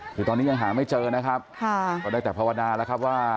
คือตอนนี้ยังหาไม่เจอนะครับค่ะก็ได้แต่ภาวนาแล้วครับว่า